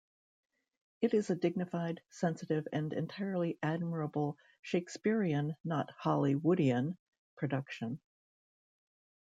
It is a dignified, sensitive and entirely admirable Shakespearean-not Hollywoodean-production.